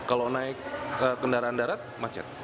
kalau naik kendaraan darat macet